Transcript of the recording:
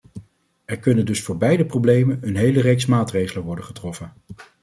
Er kunnen dus voor beide problemen een hele reeks maatregelen worden getroffen.